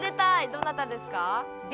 どなたですか？